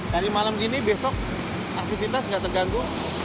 dari malam gini besok aktivitas nggak terganggu